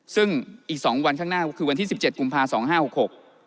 ซึ่งอีก๒วันข้างหน้าคือวันที่๑๗กุมภาคม๒๕๖๖